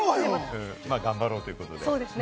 頑張ろうということで。